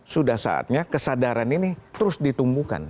sudah saatnya kesadaran ini terus ditumbuhkan